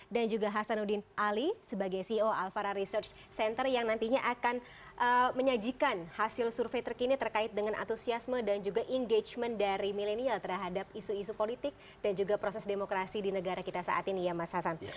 dan juga hasanuddin ali sebagai ceo alfara research center yang nantinya akan menyajikan hasil survei terkini terkait dengan antusiasme dan juga engagement dari milenial terhadap isu isu politik dan juga proses demokrasi di negara kita saat ini ya mas hasan